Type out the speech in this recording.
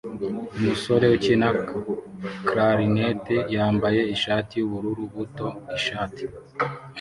Umusore ukina Clarinet yambaye ishati yubururu buto-ishati